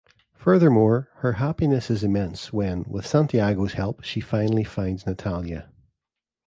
Furthermore, her happiness is immense when, with Santiago's help, she finally finds Natalia.